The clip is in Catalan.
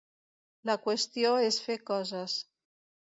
La qüestió és fer coses.